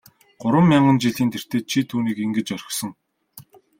Гурван мянган жилийн тэртээд чи түүнийг ингэж орхисон.